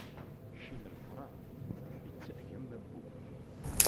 Cci n leḥṛam, ittafeg am wabbu.